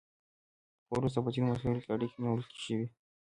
خو وروسته په ځینو مساییلو کې اړیکې نیول شوي